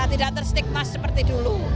tidak terstikmas seperti dulu